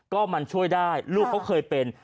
ก็มันช่วยได้ลูกเขาเคยเป็น